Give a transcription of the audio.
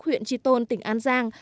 huyện trì tôn tỉnh an giang